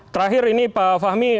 terakhir ini pak fahmi